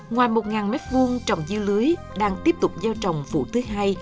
ngoài một m hai trồng dưa lưới đang tiếp tục gieo trồng vụ thứ hai